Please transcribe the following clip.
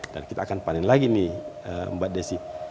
dan kita akan panen lagi ini mbak desy